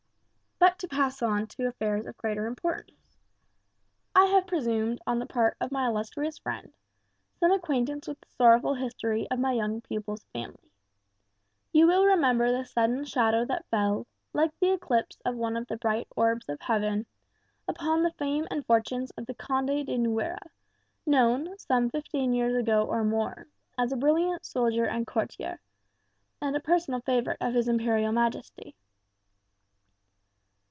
"But to pass on to affairs of greater importance. I have presumed, on the part of my illustrious friend, some acquaintance with the sorrowful history of my young pupils' family. You will remember the sudden shadow that fell, like the eclipse of one of the bright orbs of heaven, upon the fame and fortunes of the Conde de Nuera, known, some fifteen years ago or more, as a brilliant soldier and courtier, and personal favourite of his Imperial Majesty.